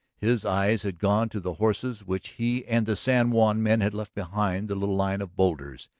His eyes had gone to the horses which he and the San Juan men had left beyond the little line of boulders.